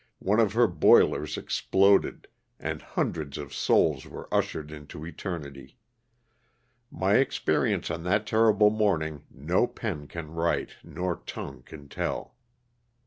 one of her boilers exploded and hundreds of souls were ushered into eternity. My experience on that terrible morning no pen can write nor tongue can tell.